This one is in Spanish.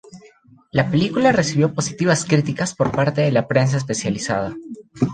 La película recibió positivas críticas por parte de la prensa especializada.